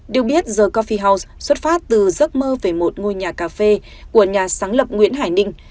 điều biết the coffee house xuất phát từ giấc mơ về một ngôi nhà cà phê của nhà sáng lập nguyễn hải ninh